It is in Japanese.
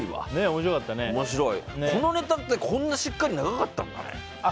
このネタってこんなしっかり長かったんだね。